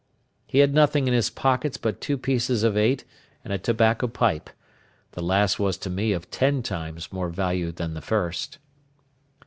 He had nothing in his pockets but two pieces of eight and a tobacco pipe—the last was to me of ten times more value than the first.